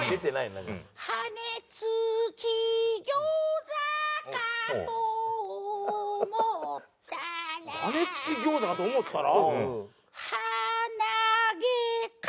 羽根つき餃子かと思ったら？